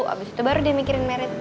abis itu baru dia mikirin merit